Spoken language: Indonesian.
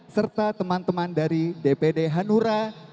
serta teman teman dari dpd hm zainul majdi